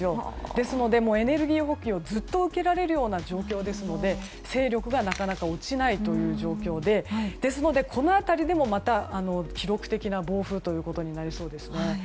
ですので、エネルギー補給をずっと受けられる状況ですので勢力がなかなか落ちないという状況でですのでこの辺りでも記録的な暴風となりそうですね。